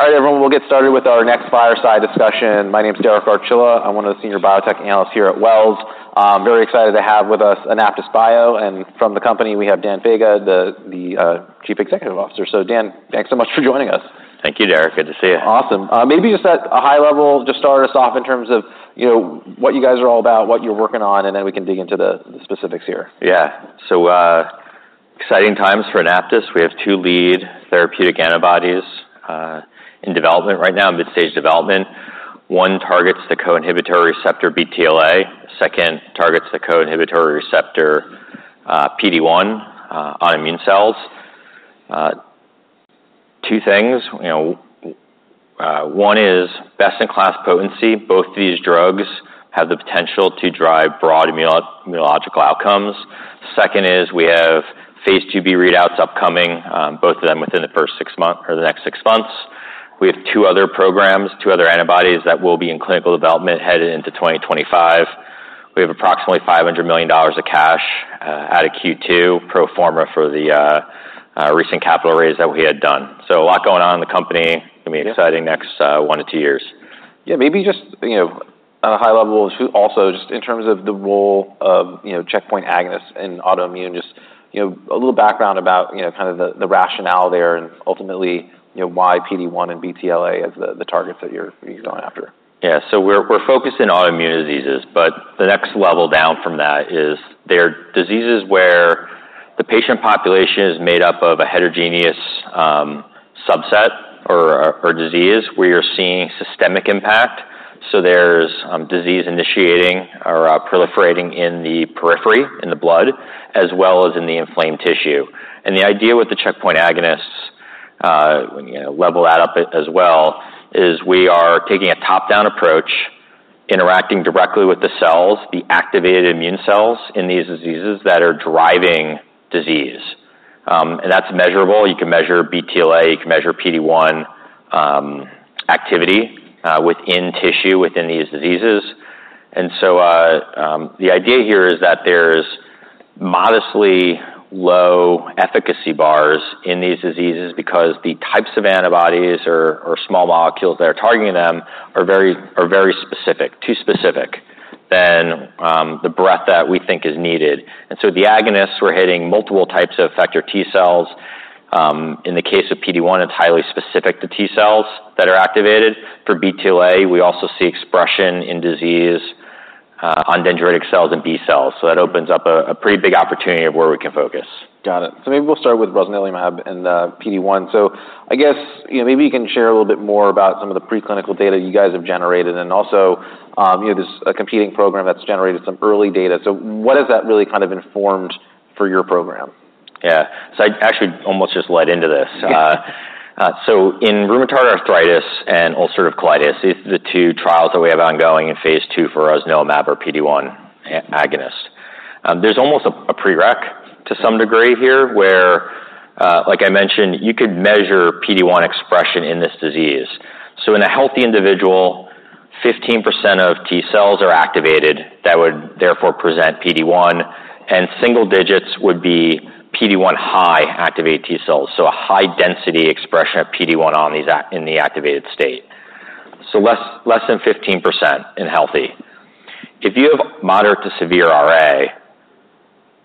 All right, everyone, we'll get started with our next fireside discussion. My name is Derek Archila. I'm one of the senior biotech analysts here at Wells. Very excited to have with us AnaptysBio, and from the company, we have Dan Vega, the Chief Executive Officer. So Dan, thanks so much for joining us. Thank you, Derek. Good to see you. Awesome. Maybe just at a high level, just start us off in terms of, you know, what you guys are all about, what you're working on, and then we can dig into the specifics here. Yeah. So, exciting times for Anaptys. We have two lead therapeutic antibodies in development right now, mid-stage development. One targets the co-inhibitory receptor BTLA, second targets the co-inhibitory receptor PD-1 on immune cells. Two things, you know, one is best-in-class potency. Both these drugs have the potential to drive broad immunological outcomes. Second is we have phase II-B readouts upcoming, both of them within the first six months or the next six months. We have two other programs, two other antibodies that will be in clinical development headed into 2025. We have approximately $500 million of cash out of Q2 pro forma for the recent capital raise that we had done. So a lot going on in the company. Gonna be exciting next, one to two years. Yeah, maybe just, you know, at a high level, too also, just in terms of the role of, you know, checkpoint agonists in autoimmune, just, you know, a little background about, you know, kind of the rationale there and ultimately, you know, why PD-1 and BTLA as the targets that you're going after. Yeah. So we're focused in autoimmune diseases, but the next level down from that is there are diseases where the patient population is made up of a heterogeneous subset or disease, where you're seeing systemic impact. So there's disease initiating or proliferating in the periphery, in the blood, as well as in the inflamed tissue. And the idea with the checkpoint agonists, when you level that up as well, is we are taking a top-down approach, interacting directly with the cells, the activated immune cells in these diseases that are driving disease. And that's measurable. You can measure BTLA, you can measure PD-1 activity within tissue, within these diseases. And so, the idea here is that there's modestly low efficacy bars in these diseases because the types of antibodies or small molecules that are targeting them are very specific, too specific than the breadth that we think is needed. And so the agonists, we're hitting multiple types of effector T cells. In the case of PD-1, it's highly specific to T cells that are activated. For BTLA, we also see expression in disease on dendritic cells and B cells, so that opens up a pretty big opportunity of where we can focus. Got it. So maybe we'll start with rosnilimab and the PD-1. So I guess, you know, maybe you can share a little bit more about some of the preclinical data you guys have generated, and also, you know, there's a competing program that's generated some early data. So what has that really kind of informed for your program? Yeah. So I actually almost just led into this. Okay. So in rheumatoid arthritis and ulcerative colitis, it's the two trials that we have ongoing in phase II for rosnilimab, a PD-1 agonist. There's almost a precedent to some degree here, where, like I mentioned, you could measure PD-1 expression in this disease. In a healthy individual, 15% of T cells are activated that would therefore present PD-1, and single digits would be PD-1 high activated T cells, so a high density expression of PD-1 on these in the activated state. Less than 15% in healthy. If you have moderate to severe RA,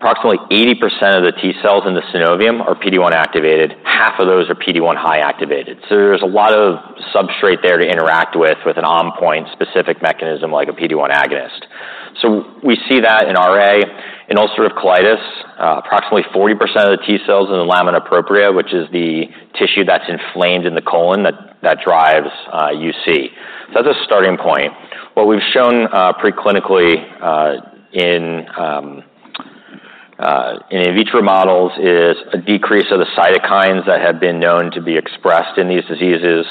approximately 80% of the T cells in the synovium are PD-1 activated, half of those are PD-1 high activated. There's a lot of substrate there to interact with, with an on-point specific mechanism like a PD-1 agonist. We see that in RA. In ulcerative colitis, approximately 40% of the T cells in the lamina propria, which is the tissue that's inflamed in the colon, that drives UC. So that's a starting point. What we've shown, preclinically, in vitro models is a decrease of the cytokines that have been known to be expressed in these diseases.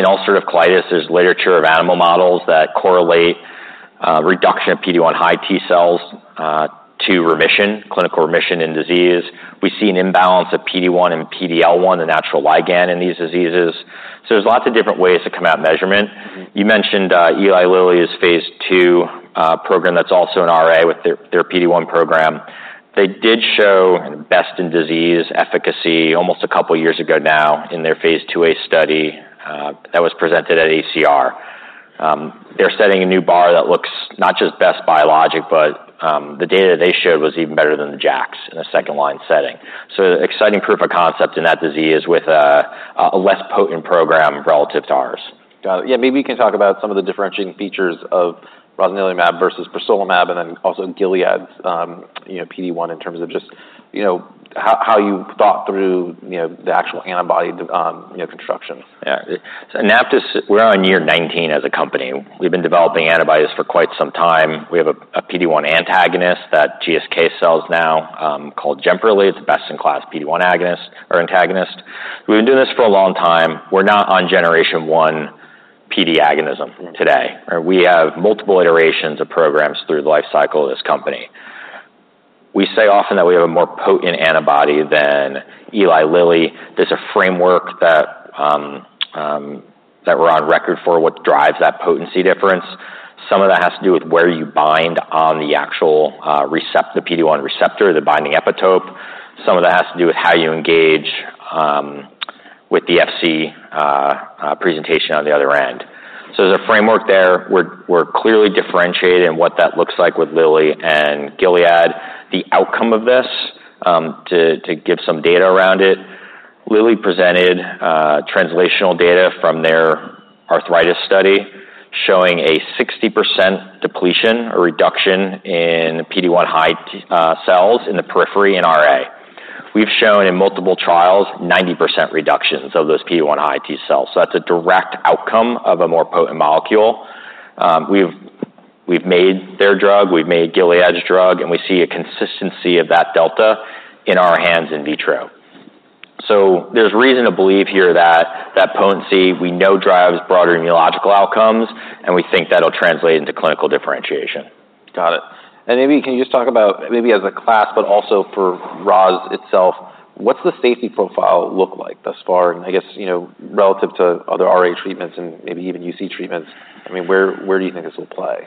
In ulcerative colitis, there's literature of animal models that correlate reduction of PD-1 high T cells to remission, clinical remission in disease. We see an imbalance of PD-1 and PD-L1, the natural ligand in these diseases. So there's lots of different ways to come at measurement. You mentioned, Eli Lilly's phase II program that's also in RA with their, their PD-1 program. They did show best-in-disease efficacy almost a couple of years ago now in their phase II-a study, that was presented at ACR. They're setting a new bar that looks not just best biologic, but, the data they showed was even better than the JAKs in a second line setting. So exciting proof of concept in that disease with a less potent program relative to ours. Got it. Yeah, maybe we can talk about some of the differentiating features of rosnilimab versus peresolimab, and then also Gilead's, you know, PD-1 in terms of just, you know, how you thought through, you know, the actual antibody, you know, construction. Yeah. So Anaptys, we're on year nineteen as a company. We've been developing antibodies for quite some time. We have a PD-1 antagonist that GSK sells now, called Jemperli. It's the best-in-class PD-1 agonist or antagonist. We've been doing this for a long time. We're not on generation one PD agonism today. We have multiple iterations of programs through the life cycle of this company. We say often that we have a more potent antibody than Eli Lilly. There's a framework that we're on record for what drives that potency difference. Some of that has to do with where you bind on the actual, the PD-1 receptor, the binding epitope. Some of that has to do with how you engage with the Fc presentation on the other end. So there's a framework there. We're clearly differentiated in what that looks like with Lilly and Gilead. The outcome of this, to give some data around it, Lilly presented translational data from their arthritis study, showing a 60% depletion or reduction in PD-1 high T cells in the periphery and RA. We've shown in multiple trials, 90% reductions of those PD-1 high T cells, so that's a direct outcome of a more potent molecule. We've made their drug, we've made Gilead's drug, and we see a consistency of that delta in our hands in vitro. So there's reason to believe here that potency, we know, drives broader immunological outcomes, and we think that'll translate into clinical differentiation. Got it. And maybe can you just talk about, maybe as a class, but also for rosnilimab itself, what's the safety profile look like thus far? And I guess, you know, relative to other RA treatments and maybe even UC treatments, I mean, where, where do you think this will play?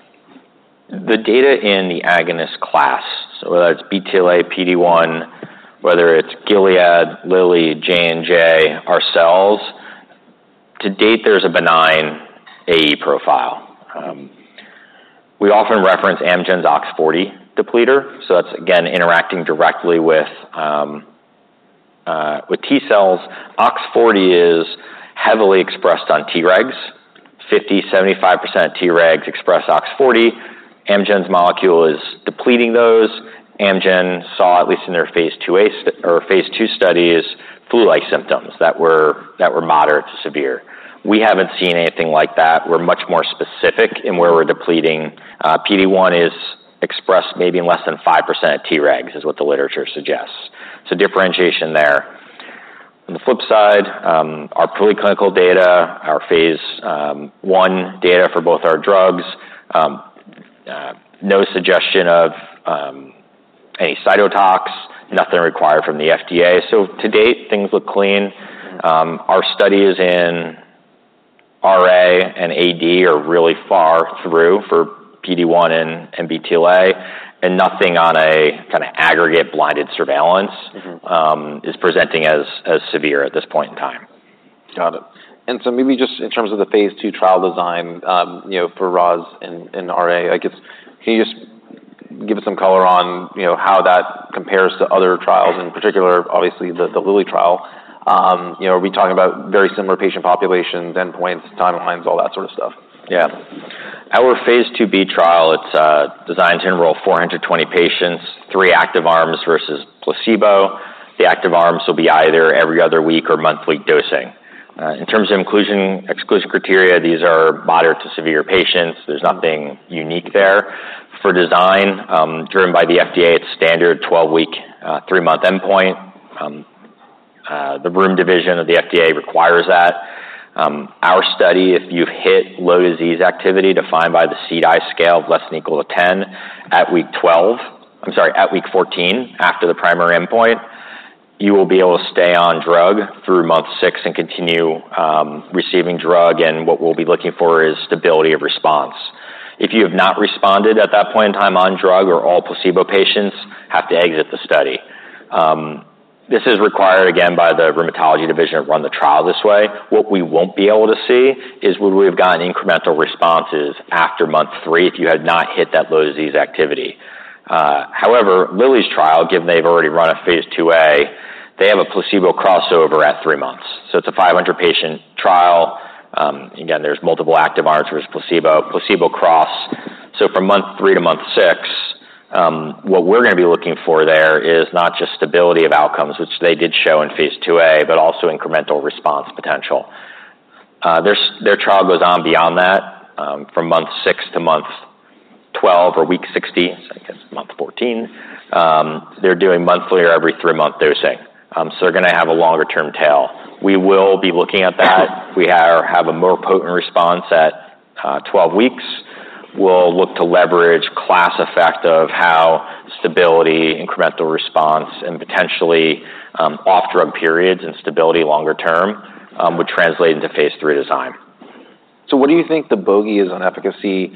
The data in the agonist class, whether it's BTLA, PD-1, whether it's Gilead, Lilly, J&J, ourselves, to date, there's a benign AE profile. We often reference Amgen's OX40 depleter, so that's again, interacting directly with T cells. OX40 is heavily expressed on T regs. 50%-75% T regs express OX40. Amgen's molecule is depleting those. Amgen saw, at least in their phase II-A or phase II studies, flu-like symptoms that were moderate to severe. We haven't seen anything like that. We're much more specific in where we're depleting. PD-1 is expressed maybe in less than 5% of T regs, is what the literature suggests. So differentiation there. On the flip side, our preclinical data, our phase I data for both our drugs, no suggestion of a cytotoxicity, nothing required from the FDA. To date, things look clean. Our studies in RA and AD are really far through for PD-1 and BTLA, and nothing on a kinda aggregate blinded surveillance is presenting as severe at this point in time. Got it. And so maybe just in terms of the phase II trial design, you know, for rosnilimab and RA, I guess, can you just give us some color on, you know, how that compares to other trials, in particular, obviously, the Lilly trial? You know, are we talking about very similar patient populations, endpoints, timelines, all that sort of stuff? Yeah. Our phase II-B trial, it's designed to enroll 420 patients, three active arms versus placebo. The active arms will be either every other week or monthly dosing. In terms of inclusion, exclusion criteria, these are moderate to severe patients. There's nothing unique there. For design, driven by the FDA, it's standard 12-week, three-month endpoint. The rheumatology division of the FDA requires that. Our study, if you've hit low disease activity, defined by the CDAI scale of less than or equal to 10 at week 12... I'm sorry, at week 14, after the primary endpoint, you will be able to stay on drug through month 6 and continue receiving drug, and what we'll be looking for is stability of response. If you have not responded at that point in time on drug or all placebo, patients have to exit the study. This is required, again, by the Rheumatology Division to run the trial this way. What we won't be able to see is would we have gotten incremental responses after month three if you had not hit that low disease activity. However, Lilly's trial, given they've already run a phase II-A, they have a placebo crossover at three months, so it's a 500-patient trial. Again, there's multiple active arms versus placebo, so from month three to month six, what we're going to be looking for there is not just stability of outcomes, which they did show in phase II-A, but also incremental response potential. Their trial goes on beyond that, from month six to month 12 or week 60, so I guess month 14. They're doing monthly or every three-month dosing. So they're going to have a longer-term tail. We will be looking at that. We have a more potent response at 12 weeks. We'll look to leverage class effect of how stability, incremental response, and potentially, off-drug periods and stability longer term, would translate into phase III design. So what do you think the bogey is on efficacy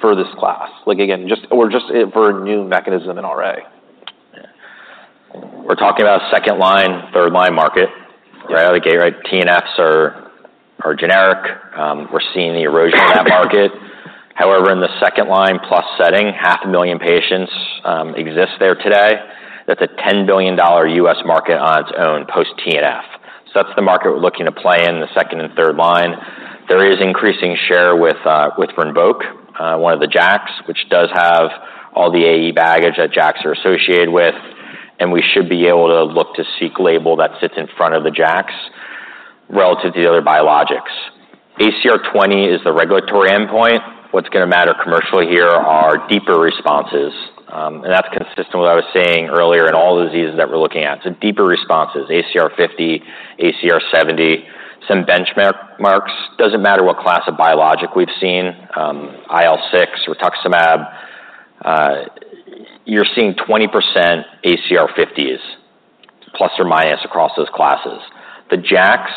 for this class? Like, again, just... or just for a new mechanism in RA. We're talking about a second-line, third-line market, right? Like, TNF are generic. We're seeing the erosion in that market. However, in the second-line plus setting, 500,000 patients exist there today. That's a $10 billion U.S. market on its own, post TNF. So that's the market we're looking to play in, the second and third line. There is increasing share with Rinvoq, one of the JAKs, which does have all the AE baggage that JAKs are associated with, and we should be able to look to seek label that sits in front of the JAKs relative to the other biologics. ACR20 is the regulatory endpoint. What's going to matter commercially here are deeper responses, and that's consistent with what I was saying earlier in all the diseases that we're looking at. So deeper responses, ACR50, ACR70, some benchmarks. Doesn't matter what class of biologic we've seen, IL-6, rituximab, you're seeing 20% ACR 50s plus or minus across those classes. The JAKs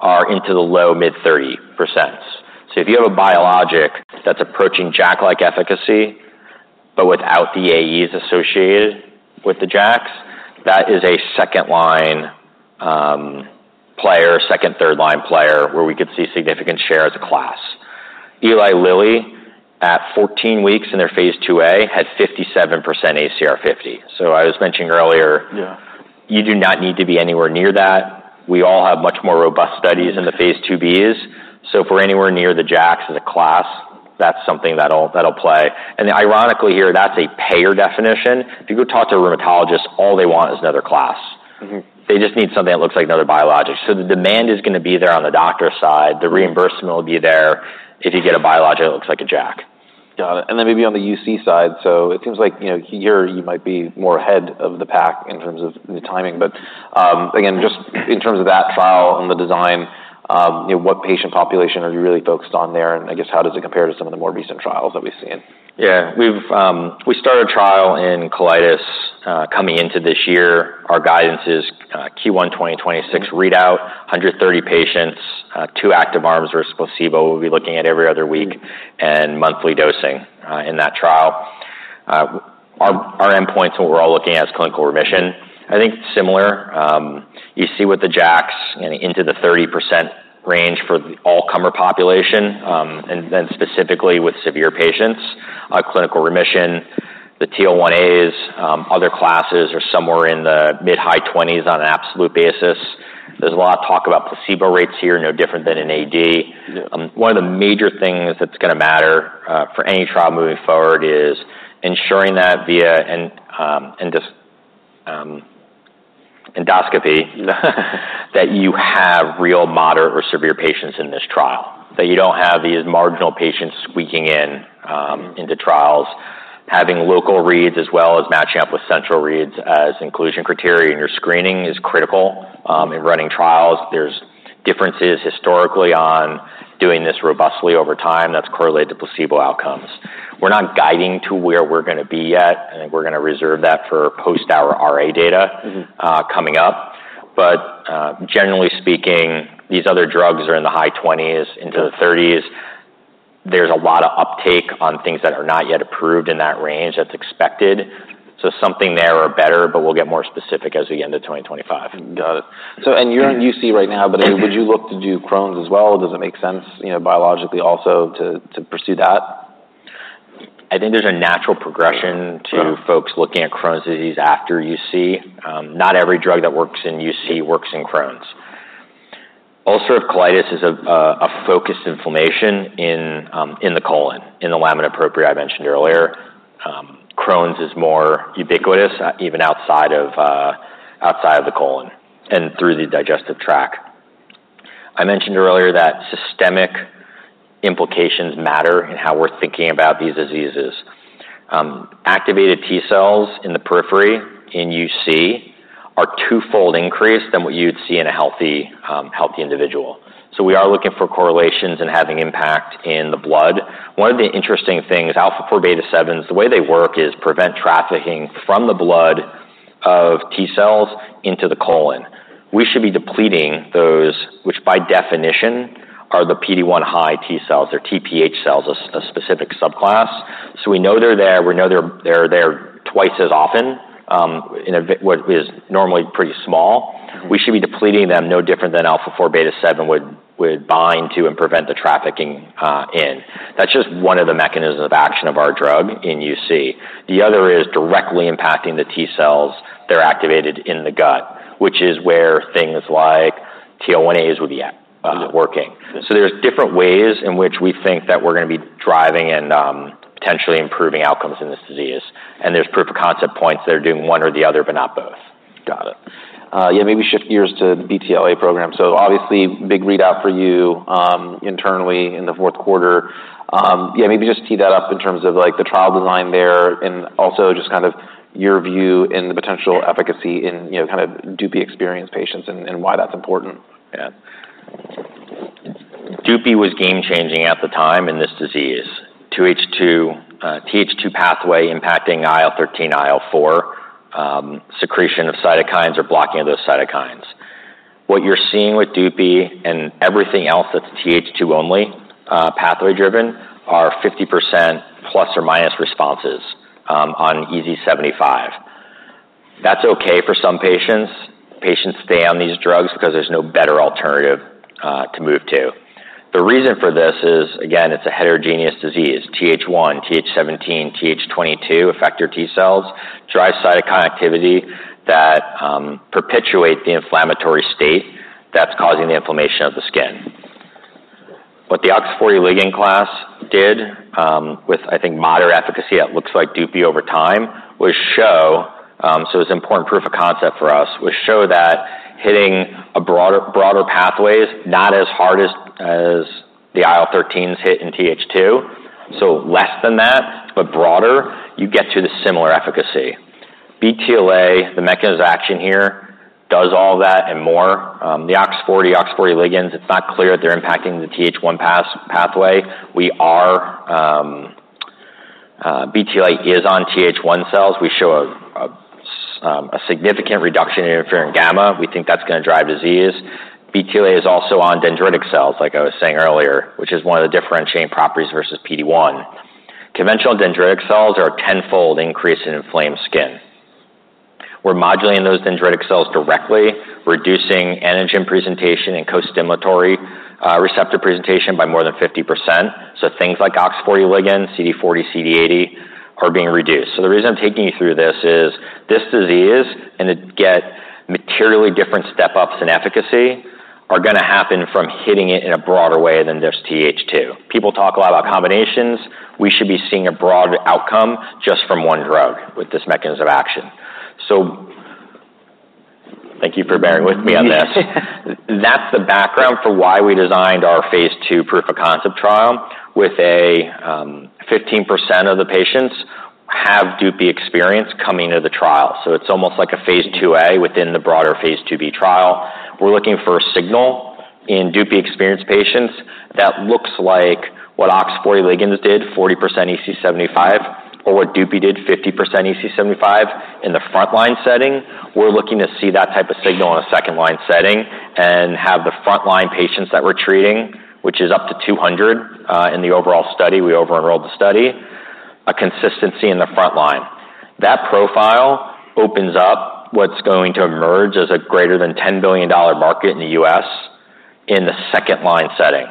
are into the low-mid 30s%. So if you have a biologic that's approaching JAK-like efficacy, but without the AEs associated with the JAKs, that is a second line player, second, third line player, where we could see significant share as a class. Eli Lilly, at 14 weeks in phase II-A, had 57% ACR50. So I was mentioning earlier- Yeah. You do not need to be anywhere near that. We all have much more robust studies in the phase II-B's, so if we're anywhere near the JAKs as a class, that's something that'll, that'll play. And ironically, here, that's a payer definition. If you go talk to a rheumatologist, all they want is another class. They just need something that looks like another biologic, so the demand is going to be there on the doctor side, the reimbursement will be there if you get a biologic that looks like a JAK. Got it, and then maybe on the UC side, so it seems like, you know, here you might be more ahead of the pack in terms of the timing, but, again, just in terms of that trial and the design, you know, what patient population are you really focused on there? And I guess, how does it compare to some of the more recent trials that we've seen? Yeah. We've started a trial in colitis, coming into this year. Our guidance is Q1 2026 readout, 130 patients, two active arms versus placebo. We'll be looking at every other week and monthly dosing in that trial. Our endpoint to what we're all looking at is clinical remission. I think similar you see with the JAKs, you know, into the 30% range for the all-comer population, and then specifically with severe patients, clinical remission, the TL1As, other classes are somewhere in the mid-high 20s on an absolute basis. There's a lot of talk about placebo rates here, no different than in AD. One of the major things that's going to matter for any trial moving forward is ensuring that via an endoscopy, that you have real moderate or severe patients in this trial, that you don't have these marginal patients squeaking in into trials. Having local reads as well as matching up with central reads as inclusion criteria in your screening is critical in running trials. There's differences historically on doing this robustly over time, that's correlated to placebo outcomes. We're not guiding to where we're going to be yet. I think we're going to reserve that for post our RA data coming up. But, generally speaking, these other drugs are in the high twenties, into the thirties. There's a lot of uptake on things that are not yet approved in that range. That's expected. So something there or better, but we'll get more specific as we end of 2025. Got it. So, and you're in UC right now, but would you look to do Crohn's as well? Does it make sense, you know, biologically also to pursue that? I think there's a natural progression- Yeah... to folks looking at Crohn's disease after UC. Not every drug that works in UC works in Crohn's. Ulcerative colitis is a focused inflammation in the colon, in the lamina propria I mentioned earlier. Crohn's is more ubiquitous, even outside of the colon and through the digestive tract. I mentioned earlier that systemic implications matter in how we're thinking about these diseases. Activated T-cells in the periphery, in UC, are twofold increase than what you'd see in a healthy individual. So we are looking for correlations and having impact in the blood. One of the interesting things, alpha-4 beta-7s, the way they work is prevent trafficking from the blood of T-cells into the colon. We should be depleting those, which by definition are the PD-1 high T-cells. They're TPH cells, a specific subclass. So we know they're there. We know they're there twice as often in what is normally pretty small. We should be depleting them, no different than alpha-4 beta-7 would bind to and prevent the trafficking in. That's just one of the mechanisms of action of our drug in UC. The other is directly impacting the T cells that are activated in the gut, which is where things like TL1As would be at working. Got it. There's different ways in which we think that we're going to be driving and potentially improving outcomes in this disease. There's proof of concept points that are doing one or the other, but not both. Got it. Yeah, maybe shift gears to the BTLA program. So obviously, big readout for you, internally in the fourth quarter. Yeah, maybe just tee that up in terms of, like, the trial design there, and also just kind of your view in the potential efficacy in, you know, kind of Dupixent experienced patients and, and why that's important. Yeah. Dupi was game-changing at the time in this disease. Th2 pathway impacting IL-13, IL-4 secretion of cytokines or blocking of those cytokines. What you're seeing with Dupi and everything else that's Th2 only pathway driven are 50% plus or minus responses on EASI-75. That's okay for some patients. Patients stay on these drugs because there's no better alternative to move to. The reason for this is, again, it's a heterogeneous disease. Th1, Th17, Th22 effector T cells, drive cytokine activity that perpetuate the inflammatory state that's causing the inflammation of the skin. What the OX40 ligand class did with, I think, moderate efficacy that looks like Dupi over time was show... So it's an important proof of concept for us, was to show that hitting a broader pathways, not as hard as the IL-thirteens hit in Th2, so less than that, but broader, you get to the similar efficacy. BTLA, the mechanism of action here, does all that and more. The OX40, OX40 ligands, it's not clear that they're impacting the Th1 pathway. BTLA is on Th1 cells. We show a significant reduction in interferon gamma. We think that's gonna drive disease. BTLA is also on dendritic cells, like I was saying earlier, which is one of the differentiating properties versus PD-1. Conventional dendritic cells are a tenfold increase in inflamed skin. We're modulating those dendritic cells directly, reducing antigen presentation and costimulatory receptor presentation by more than 50%, so things like OX40 ligand, CD40, CD80 are being reduced. So the reason I'm taking you through this is, this disease, and to get materially different step-ups in efficacy, are gonna happen from hitting it in a broader way than just Th2. People talk a lot about combinations. We should be seeing a broad outcome just from one drug with this mechanism of action. So thank you for bearing with me on this. That's the background for why we designed our phase II proof of concept trial with a 15% of the patients have Dupi experience coming to the trial, so it's almost like a phase Ia within the broader phase II-B trial. We're looking for a signal in Dupi-experienced patients that looks like what OX40 ligands did, 40% EASI-75, or what Dupi did, 50% EASI-75, in the frontline setting. We're looking to see that type of signal in a second-line setting and have the frontline patients that we're treating, which is up to 200, in the overall study, we over-enrolled the study, a consistency in the front line. That profile opens up what's going to emerge as a greater than $10 billion market in the U.S. in the second-line setting.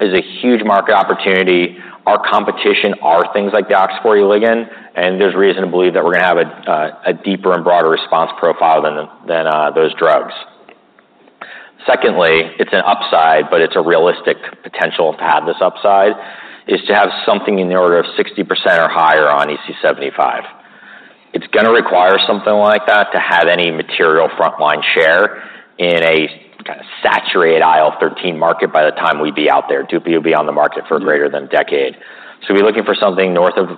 It's a huge market opportunity. Our competition are things like the OX40 ligand, and there's reason to believe that we're gonna have a deeper and broader response profile than those drugs. Secondly, it's an upside, but it's a realistic potential to have this upside, is to have something in the order of 60% or higher on EASI-75. It's gonna require something like that to have any material frontline share in a kind of saturated IL-13 market by the time we'd be out there. Dupi will be on the market for greater than a decade. So we're looking for something north of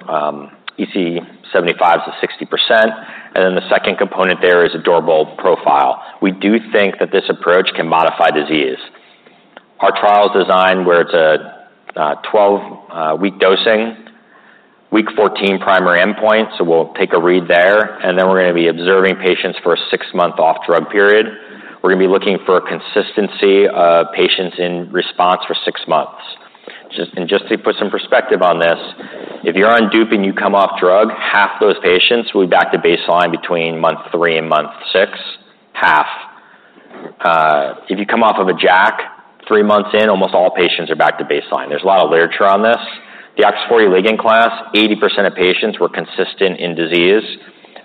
EASI-75 to 60%, and then the second component there is a durable profile. We do think that this approach can modify disease. Our trial is designed where it's a 12-week dosing, week 14 primary endpoint, so we'll take a read there, and then we're gonna be observing patients for a 6-month off-drug period. We're gonna be looking for a consistency of patients in response for 6 months. Just... Just to put some perspective on this, if you're on Dupi and you come off drug, half those patients will be back to baseline between month three and month six. Half. If you come off of a JAK, three months in, almost all patients are back to baseline. There's a lot of literature on this. The OX40 ligand class, 80% of patients were consistent in disease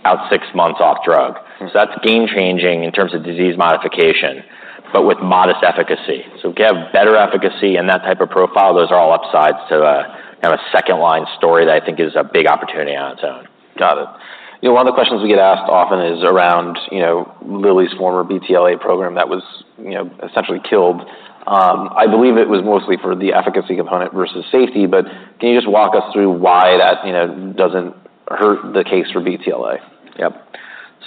out six months off drug. So that's game-changing in terms of disease modification, but with modest efficacy. So if we can have better efficacy and that type of profile, those are all upsides to a, kind of a second-line story that I think is a big opportunity on its own. Got it. You know, one of the questions we get asked often is around, you know, Lilly's former BTLA program that was, you know, essentially killed. I believe it was mostly for the efficacy component versus safety, but can you just walk us through why that, you know, doesn't hurt the case for BTLA? Yep.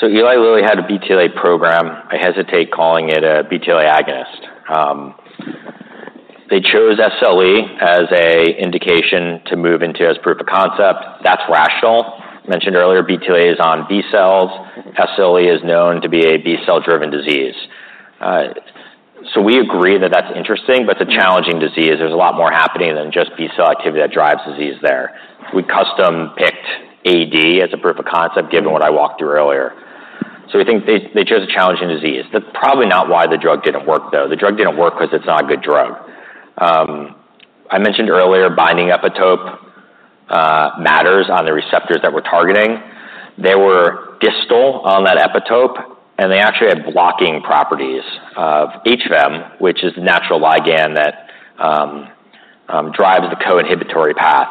So Eli Lilly had a BTLA program. I hesitate calling it a BTLA agonist. They chose SLE as a indication to move into as proof of concept. That's rational. Mentioned earlier, BTLA is on B cells. SLE is known to be a B cell-driven disease. So we agree that that's interesting, but it's a challenging disease. There's a lot more happening than just B cell activity that drives disease there. We custom picked AD as a proof of concept, given what I walked through earlier. So we think they chose a challenging disease. That's probably not why the drug didn't work, though. The drug didn't work 'cause it's not a good drug. I mentioned earlier, binding epitope matters on the receptors that we're targeting. They were distal on that epitope, and they actually had blocking properties of each of them, which is a natural ligand that drives the co-inhibitory path.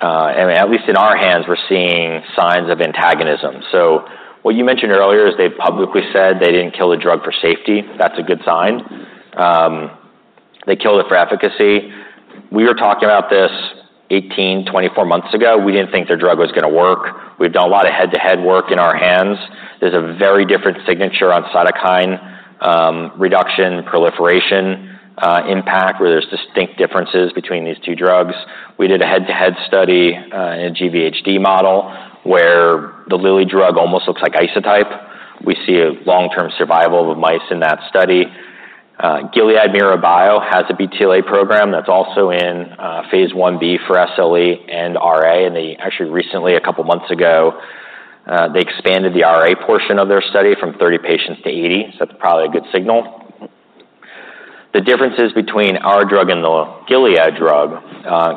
And at least in our hands, we're seeing signs of antagonism. So what you mentioned earlier is they publicly said they didn't kill the drug for safety. That's a good sign. They killed it for efficacy. We were talking about this 18-24 months ago. We didn't think their drug was gonna work. We've done a lot of head-to-head work in our hands. There's a very different signature on cytokine reduction, proliferation impact, where there's distinct differences between these two drugs. We did a head-to-head study in a GVHD model, where the Lilly drug almost looks like isotype. We see a long-term survival of mice in that study. Gilead MiroBio has a BTLA program that's also in phase I-B for SLE and RA, and they actually recently, a couple of months ago, they expanded the RA portion of their study from 30 patients to 80, so that's probably a good signal. The differences between our drug and the Gilead drug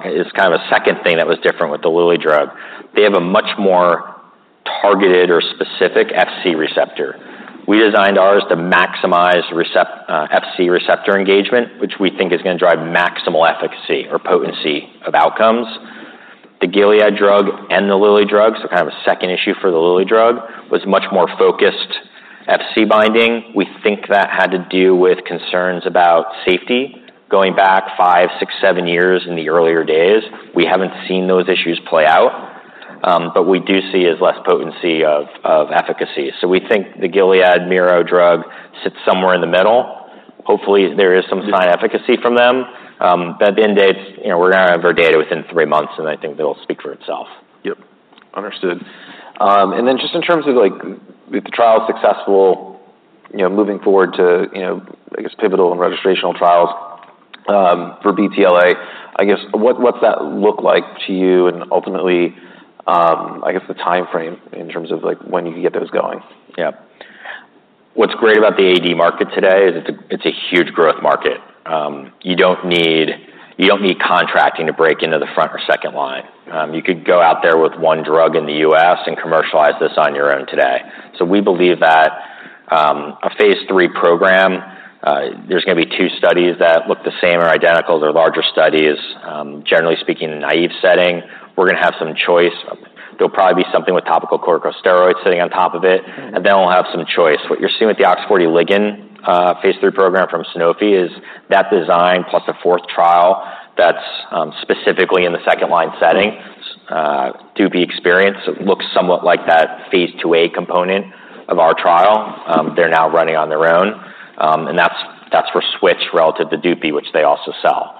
is kind of a second thing that was different with the Lilly drug. They have a much more targeted or specific Fc receptor. We designed ours to maximize Fc receptor engagement, which we think is gonna drive maximal efficacy or potency of outcomes. The Gilead drug and the Lilly drug, so kind of a second issue for the Lilly drug, was much more focused Fc binding. We think that had to do with concerns about safety, going back five, six, seven years in the earlier days. We haven't seen those issues play-... but what we do see is less potency of efficacy. So we think the Gilead Miro drug sits somewhere in the middle. Hopefully, there is some sign of efficacy from them. But at the end of the day, you know, we're gonna have our data within three months, and I think that'll speak for itself. Yep, understood. And then just in terms of, like, if the trial is successful, you know, moving forward to, you know, I guess, pivotal and registrational trials for BTLA, I guess, what's that look like to you? And ultimately, I guess, the timeframe in terms of, like, when you can get those going? Yeah. What's great about the AD market today is it's a huge growth market. You don't need contracting to break into the front or second line. You could go out there with one drug in the U.S. and commercialize this on your own today. So we believe that a phase III program, there's gonna be two studies that look the same or identical. They're larger studies, generally speaking, in a naive setting, we're gonna have some choice. There'll probably be something with topical corticosteroids sitting on top of it, and then we'll have some choice. What you're seeing with the OX40 ligand phase III program from Sanofi is that design, plus a fourth trial, that's specifically in the second line setting to be experienced. It looks somewhat like that phase II-A component of our trial. They're now running on their own. And that's for switch relative to Dupi, which they also sell.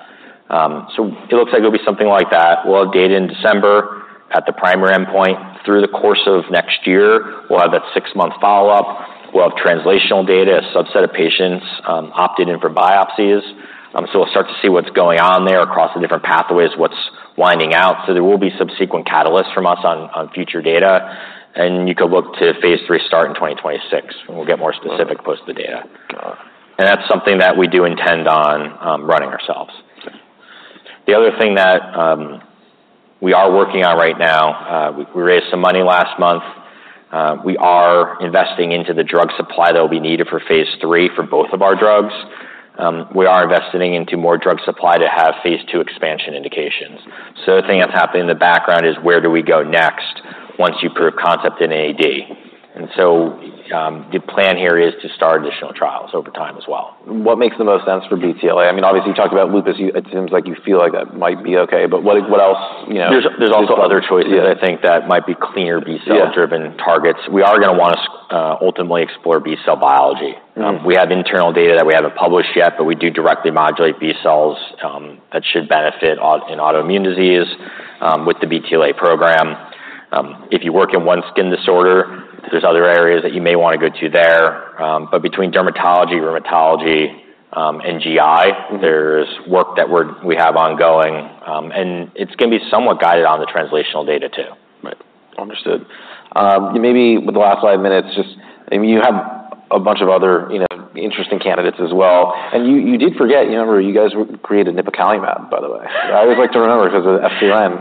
So it looks like it'll be something like that. We'll have data in December at the primary endpoint. Through the course of next year, we'll have that six-month follow-up. We'll have translational data. A subset of patients opted in for biopsies. So we'll start to see what's going on there across the different pathways, what's winding out. So there will be subsequent catalysts from us on future data, and you could look to phase III start in 2026, and we'll get more specific post the data. Got it. That's something that we do intend on running ourselves. Okay. The other thing that we are working on right now. We raised some money last month. We are investing into the drug supply that will be needed for phase III for both of our drugs. We are investing into more drug supply to have phase II expansion indications. So the thing that's happening in the background is where do we go next once you prove concept in AD? And so, the plan here is to start additional trials over time as well. What makes the most sense for BTLA? I mean, obviously, you talked about lupus. You-- it seems like you feel like that might be okay, but what, what else, you know- There's also other choices I think that might be clear B-cell- Yeah... driven targets. We are gonna wanna, ultimately explore B-cell biology. We have internal data that we haven't published yet, but we do directly modulate B-cells, that should benefit in autoimmune disease, with the BTLA program. If you work in one skin disorder, there's other areas that you may wanna go to there, but between dermatology, rheumatology, and GI there's work that we have ongoing, and it's gonna be somewhat guided on the translational data, too. Right. Understood. Maybe with the last five minutes, just... I mean, you have a bunch of other, you know, interesting candidates as well, and you did forget, you remember you guys created Nipocalimab, by the way. I always like to remember because of FcRn,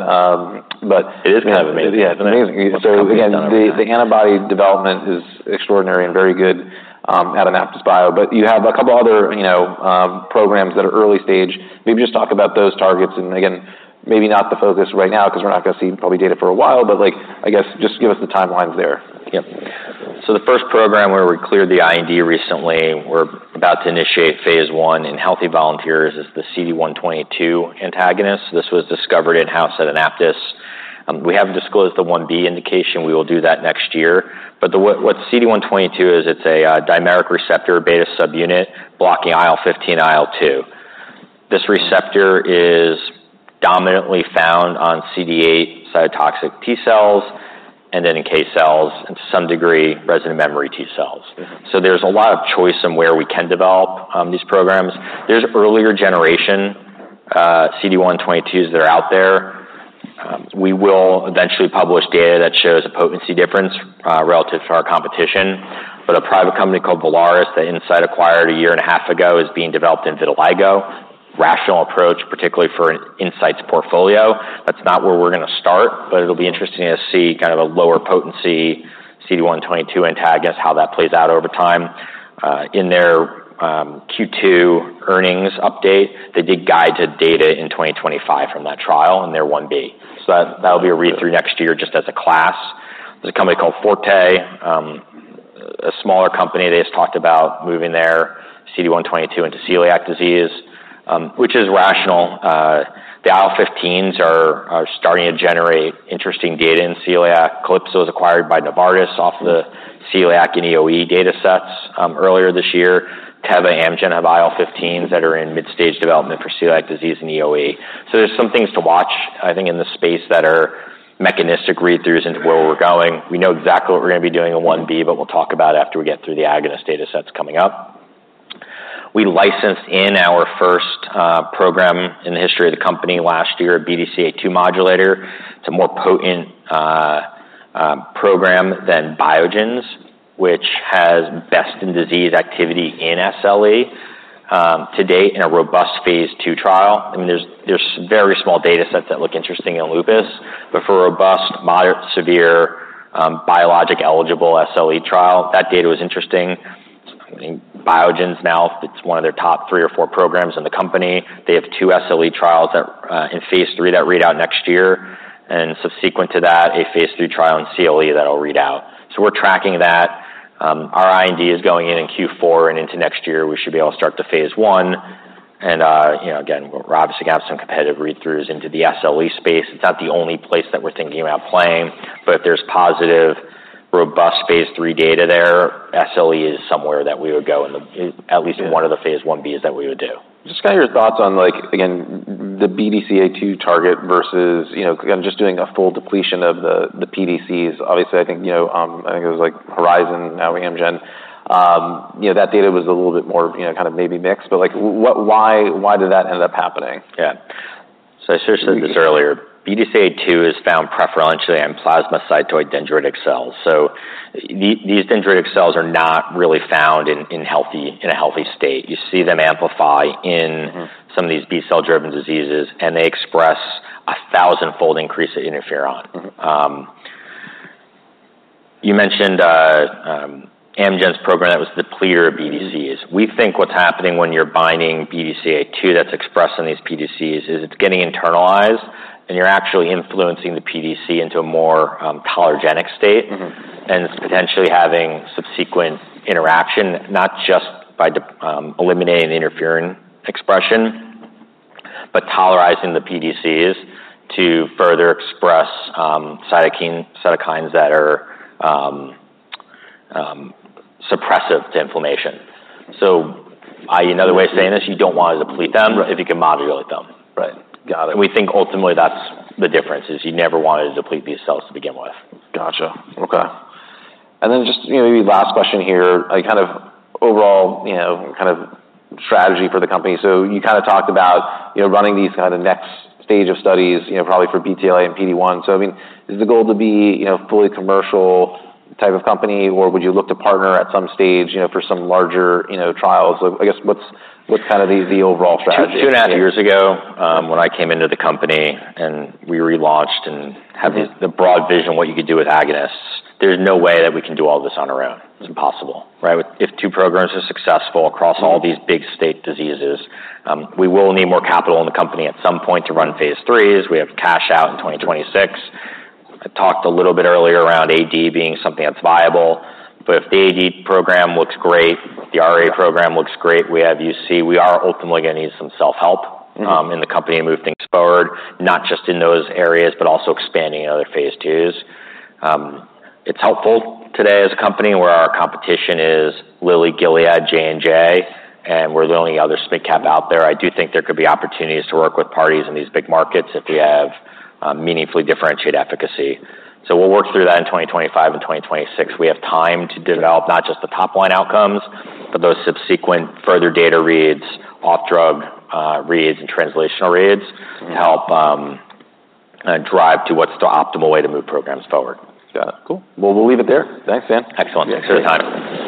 but- It is amazing. Yeah, it's amazing. So again, the antibody development is extraordinary and very good out of AnaptysBio, but you have a couple other, you know, programs that are early stage. Maybe just talk about those targets, and again, maybe not the focus right now because we're not gonna see probably data for a while, but, like, I guess, just give us the timelines there. Yep. So the first program where we cleared the IND recently, we're about to initiate phase I in healthy volunteers, is the CD122 antagonist. This was discovered in-house at Anaptys. We haven't disclosed the 1B indication. We will do that next year. But the, what CD122 is, it's a dimeric receptor, beta subunit, blocking IL-15 and IL-2. This receptor is dominantly found on CD8 cytotoxic T-cells, and then in NK cells, and to some degree, resident memory T-cells. So there's a lot of choice in where we can develop these programs. There's earlier generation CD122s that are out there. We will eventually publish data that shows a potency difference relative to our competition. But a private company called Villaris, that Incyte acquired a year and a half ago, is being developed in vitiligo. Rational approach, particularly for Incyte's portfolio. That's not where we're gonna start, but it'll be interesting to see kind of a lower potency CD122 antagonist, how that plays out over time. In their Q2 earnings update, they did guide to data in 2025 from that trial and their phase I-B. So that, that'll be a read-through next year just as a class. There's a company called Forte, a smaller company. They just talked about moving their CD122 into celiac disease, which is rational. The IL-15s are starting to generate interesting data in celiac. Calypso was acquired by Novartis off the celiac and EoE data sets, earlier this year. Teva and Amgen have IL-15s that are in mid-stage development for celiac disease and EoE. So there's some things to watch, I think, in the space that are mechanistic read-throughs into where we're going. We know exactly what we're gonna be doing in 1B, but we'll talk about it after we get through the agonist data sets coming up. We licensed in our first, program in the history of the company last year, a BDCA-2 modulator. It's a more potent, program than Biogen's, which has best in disease activity in SLE, to date, in a robust phase II trial. I mean, there's very small data sets that look interesting in lupus, but for a robust, moderate, severe, biologic-eligible SLE trial, that data was interesting. I think Biogen's now, it's one of their top three or four programs in the company. They have two SLE trials that in phase III that read out next year, and subsequent to that, a phase III trial in CLE that'll read out. So we're tracking that. Our IND is going in in Q4 and into next year, we should be able to start the phase I. And you know, again, we're obviously going to have some competitive read-throughs into the SLE space. It's not the only place that we're thinking about playing, but if there's positive, robust phase III data there, SLE is somewhere that we would go in at least one of the phase I-B's that we would do. Just kind of your thoughts on, like, again, the BDCA-2 target versus, you know, again, just doing a full depletion of the pDCs. Obviously, I think, you know, I think it was like Horizon, now Amgen. You know, that data was a little bit more, you know, kind of maybe mixed, but like, why, why did that end up happening? Yeah, so I sort of said this earlier. BDCA-2 is found preferentially in plasmacytoid dendritic cells. These dendritic cells are not really found in a healthy state. You see them amplify in some of these B-cell-driven diseases, and they express a thousand-fold increase in interferon. You mentioned Biogen's program that was the clear BDCA-2s. We think what's happening when you're binding BDCA-2 that's expressed on these pDCs, is it's getting internalized, and you're actually influencing the pDC into a more tolerogenic state. And it's potentially having subsequent interaction, not just by eliminating the interfering expression, but tolerizing the pDCs to further express cytokines that are suppressive to inflammation. So, i.e., another way of saying this, you don't want to deplete them. If you can modulate them. Right. Got it. We think ultimately that's the difference, is you never wanted to deplete these cells to begin with. Got you. Okay. And then just, you know, maybe last question here, like, kind of overall, you know, kind of strategy for the company. So you kind of talked about, you know, running these kind of next stage of studies, you know, probably for BTLA and PD one. So I mean, is the goal to be, you know, fully commercial type of company, or would you look to partner at some stage, you know, for some larger, you know, trials? I guess, what's kind of the overall strategy? Two and a half years ago, when I came into the company and we relaunched and had the broad vision, what you could do with agonists, there's no way that we can do all this on our own. It's impossible, right? If two programs are successful across all these biggest autoimmune diseases, we will need more capital in the company at some point to run phase IIIs. We have cash out in 2026. I talked a little bit earlier around AD being something that's viable, but if the AD program looks great, the RA program looks great, we have UC, we are ultimately going to need some self-help. In the company to move things forward, not just in those areas, but also expanding in other phase IIs. It's helpful today as a company where our competition is Lilly, Gilead, J&J, and we're the only other SMID cap out there. I do think there could be opportunities to work with parties in these big markets if we have, meaningfully differentiated efficacy. We will work through that in 2025 and 2026. We have time to develop not just the top-line outcomes, but those subsequent further data reads, off-drug reads, and translational reads to help drive to what's the optimal way to move programs forward. Got it. Cool. Well, we'll leave it there. Thanks, Dan. Excellent. Thanks for your time.